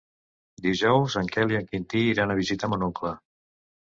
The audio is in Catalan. Dijous en Quel i en Quintí iran a visitar mon oncle.